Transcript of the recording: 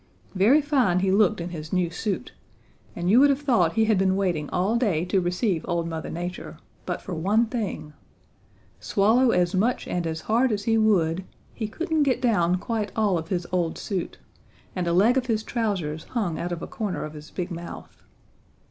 Very fine he looked in his new suit and you would have thought he had been waiting all day to receive old Mother Nature, but for one thing swallow as much and as hard as he would, he couldn't get down quite all of his old suit, and a leg of his trousers hung out of a corner of his big mouth.